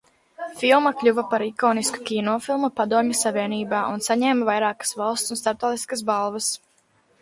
Filma kļuva par ikonisku kinofilmu Padomju Savienībā un saņēma vairākas valsts un starptautiskas balvas.